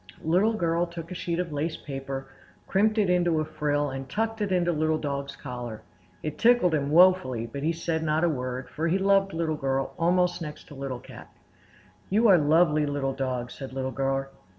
Little Girl took a sheet of lace paper, crimped it into a frill, and tucked it into Little Dog's collar. It tickled him woefully, but he said not a word, for he loved Little Girl almost next to Little Cat. "You are lovely, Little Dog!" said Little Girl.